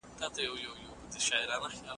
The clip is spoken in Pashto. د افغانستان کورنۍ د سياسي فکر ملاتړ کوي.